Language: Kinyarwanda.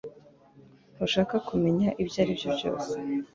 Ntushaka kumenya ibyo aribyo byose